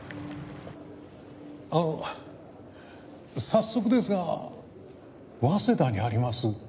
あの早速ですが早稲田にあります